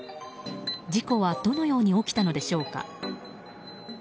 事故はどのように起きたのでしょうか。